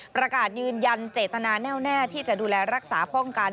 ประกาศยืนยันเจตนาแน่วแน่ที่จะดูแลรักษาป้องกัน